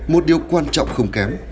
một điều quan trọng không kém